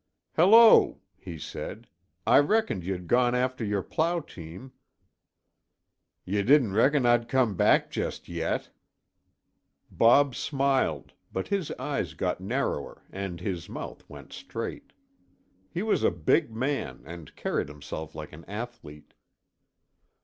"Hello!" he said. "I reckoned you'd gone after your plow team." "Ye didna reckon I'd come back just yet!" Bob smiled, but his eyes got narrower and his mouth went straight. He was a big man and carried himself like an athlete.